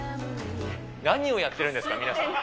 何をやってるんですか、皆さん。